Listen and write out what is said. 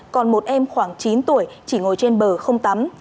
còn một em khoảng chín tuổi chỉ ngồi trên bờ không tắm